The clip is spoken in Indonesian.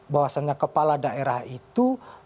bahwasannya kepala daerah itu